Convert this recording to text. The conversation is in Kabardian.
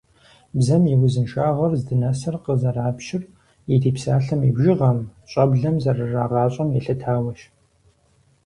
Бзэм и узыншагъэр здынэсыр къызэрапщыр ирипсалъэм и бжыгъэм, щӀэблэм зэрырагъащӀэм елъытауэщ.